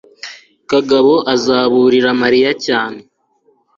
kagabo azaburira mariya cyane